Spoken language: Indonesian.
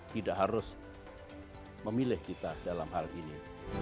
tidak harus memilih kita dalam hal ini